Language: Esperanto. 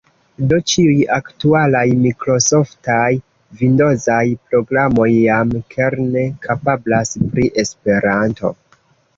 Do ĉiuj aktualaj mikrosoftaj vindozaj programoj jam kerne kapablas pri Esperanto.